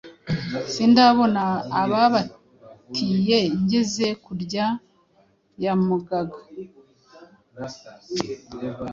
Sindabona ababatiye, Ngeze-kurya ya Mugaga,